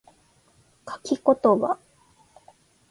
書き言葉